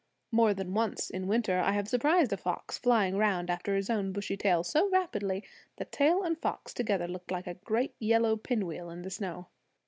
More than once, in winter, I have surprised a fox flying round after his own bushy tail so rapidly that tail and fox together looked like a great yellow pin wheel on the snow.